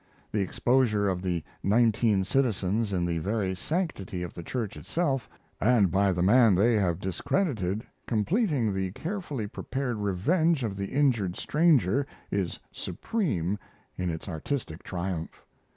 The exposure of the nineteen citizens in the very sanctity of the church itself, and by the man they have discredited, completing the carefully prepared revenge of the injured stranger, is supreme in its artistic triumph.